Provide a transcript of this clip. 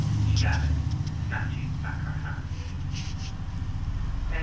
she added, snatching back her hand.